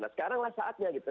nah sekarang lah saatnya gitu